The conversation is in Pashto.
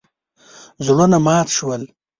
زړونه مات شول.